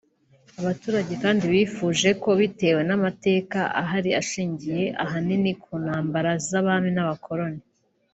Abaturage kandi bifuje ko bitewe n’amateka ahari ashingiye ahanini ku ntambara z’abami n’abakoloni